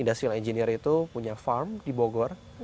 industrial engineer itu punya farm di bogor